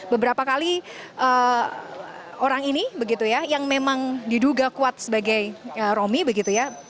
beberapa kali orang ini begitu ya yang memang diduga kuat sebagai romi begitu ya